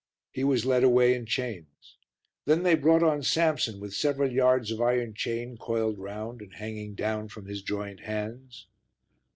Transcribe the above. He was led away in chains. Then they brought on Samson with several yards of iron chain coiled round and hanging down from his joined hands.